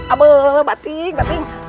aduh batin batin